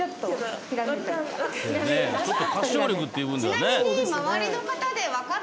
ちなみに顔